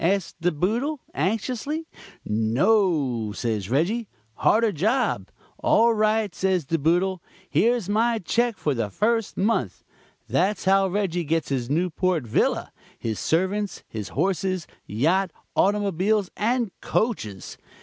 asks De Boodle, anxiously. 'No,' says Reggie. 'Harder job.' 'All right,' says De Boodle, 'here's my cheque for the first month.' That's how Reggie gets his Newport villa, his servants, his horses, yacht, automobiles and coaches.